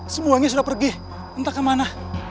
semuanya sudah pergi entah kemana